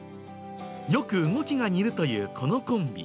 よく動きが似るというこのコンビ。